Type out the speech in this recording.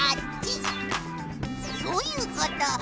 そういうこと！